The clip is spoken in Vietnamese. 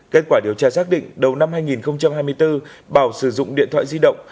kết quả điều tra xác định đầu năm hai nghìn hai mươi bốn bảo sử dụng điện thoại di động